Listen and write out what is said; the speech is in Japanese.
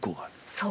そう。